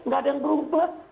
gak ada yang berumpah